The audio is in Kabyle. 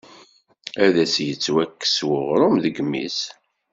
Ad s-yettwakkes uɣrum deg imi-s.